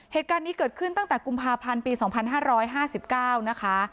เหตุการณ์นี้เกิดขึ้นตั้งแต่กุมภาพันธ์ปี๒๕๕๙นะคะ